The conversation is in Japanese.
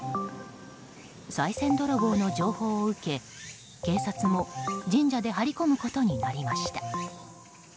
さい銭泥棒の情報を受け、警察も神社で張り込むことになりました。